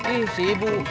ih si ibu